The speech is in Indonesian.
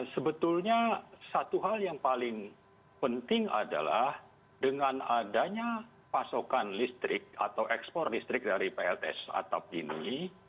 sebetulnya satu hal yang paling penting adalah dengan adanya pasokan listrik atau ekspor listrik dari plts atap ini